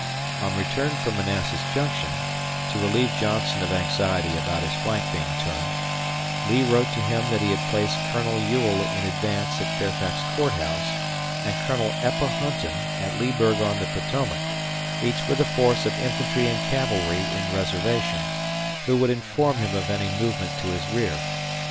On return from Manassas Junction, to relieve Johnston of anxiety about his flank being turned, Lee wrote to him that he had placed Colonel Ewell in advance at Fairfax Court House and Colonel Eppa Hunton at Leesburg on the Potomac, each with a force of infantry and cavalry in reservation, who would inform him of any movement to his rear.